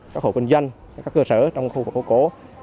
các hộ kinh doanh các cơ sở trong khu vực hỗ cố